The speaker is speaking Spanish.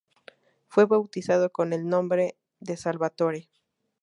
Fue bautizado con el nombre de Salvatore.